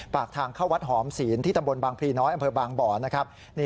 ปากทางเข้าวัดหอมศีลที่ตำรวจบางพรีน้อยบบ่อน